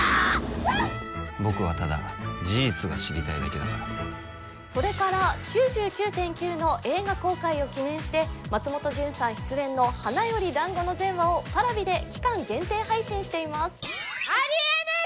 僕はただ事実が知りたいだけだからそれから「９９．９」の映画公開を記念して松本潤さん出演の「花より男子」の全話をＰａｒａｖｉで期間限定配信していますありえねえ